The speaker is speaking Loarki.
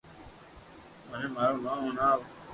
مني مارو نوم ھڻاو